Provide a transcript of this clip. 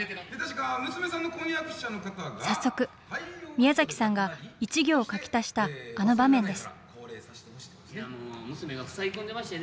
早速、宮崎さんが１行書き足したあの場面です。